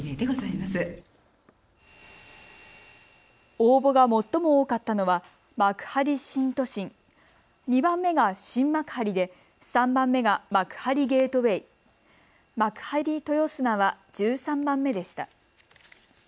応募が最も多かったのは幕張新都心、２番目が新幕張で３番目が幕張ゲートウェイ、幕張豊砂は１３番目でした。